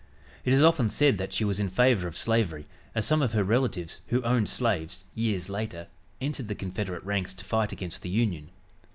It is often said that she was in favor of slavery, as some of her relatives who owned slaves, years later, entered the Confederate ranks to fight against the Union.